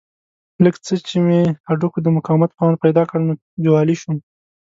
لږ څه مې چې هډوکو د مقاومت توان پیدا کړ نو جوالي شوم.